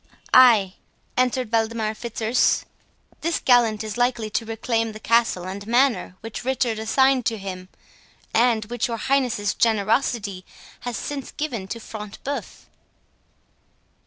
"Ay," answered Waldemar Fitzurse, "this gallant is likely to reclaim the castle and manor which Richard assigned to him, and which your Highness's generosity has since given to Front de Bœuf."